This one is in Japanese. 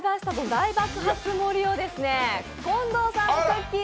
大爆発盛りを近藤さんとくっきー！